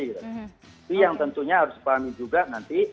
itu yang tentunya harus dipahami juga nanti